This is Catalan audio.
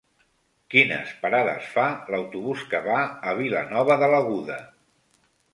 Quines parades fa l'autobús que va a Vilanova de l'Aguda?